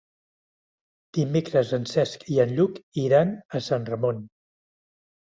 Dimecres en Cesc i en Lluc iran a Sant Ramon.